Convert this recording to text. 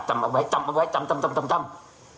จำเอาไว้จำเอาไว้จำจำจำ